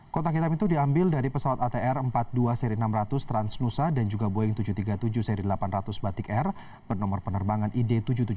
kotak hitam itu diambil dari pesawat atr empat puluh dua seri enam ratus transnusa dan juga boeing tujuh ratus tiga puluh tujuh seri delapan ratus batik air bernomor penerbangan id tujuh ratus tujuh puluh